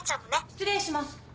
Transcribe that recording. ・失礼します。